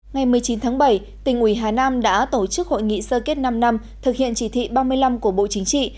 ngày một mươi chín tháng bảy tỉnh ủy hà nam đã tổ chức hội nghị sơ kết năm năm thực hiện chỉ thị ba mươi năm của bộ chính trị